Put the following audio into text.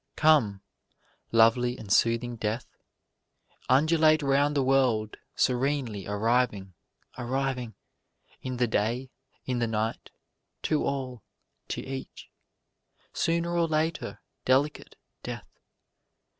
"Come, lovely and soothing Death, Undulate round the world, serenely arriving, arriving, In the day, in the night, to all, to each, Sooner or later, delicate Death.